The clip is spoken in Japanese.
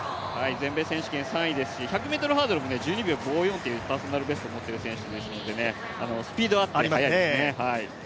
全米選手権３位ですし１００ｍハードルも１２秒５４というパーソナルベストを持ってますのでスピードがありますね。